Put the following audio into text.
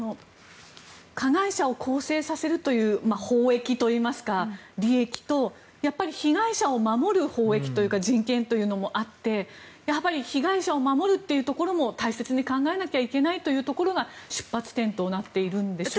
加害者を更生させる法益といいますか利益と被害者を守る法益というか人権というのもあって被害者を守るというところも大切に考えなきゃいけないというところが出発点となっているんでしょうか。